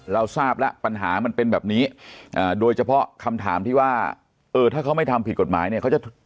เราทราบแล้วปัญหามันเป็นแบบนี้โดยเฉพาะคำถามที่ว่าเออถ้าเขาไม่ทำผิดกฎหมายเนี่ยเขาจะ